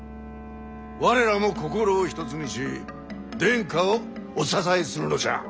我らも心を一つにし殿下をお支えするのじゃ。